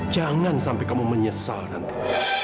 jangan sampai kamu menyesal nanti